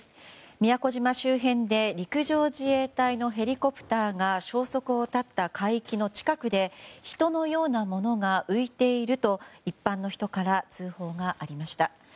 宮古島周辺で陸上自衛隊のヘリコプターが消息を絶った海域の近くで人のようなものが浮いているものが一般の人から通報がありました。